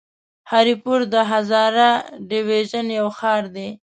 هري پور د هزاره ډويژن يو ښار دی.